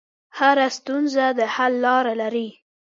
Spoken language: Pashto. هره ستونزه د حل لاره لري.